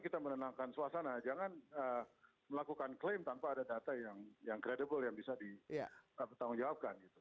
kita menenangkan suasana jangan melakukan klaim tanpa ada data yang kredibel yang bisa dipertanggungjawabkan